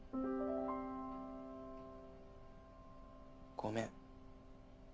ごめん。